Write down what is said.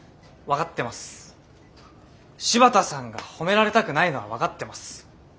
柴田さんが褒められたくないのは分かってます。